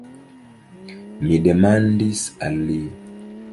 Mi demandis al li.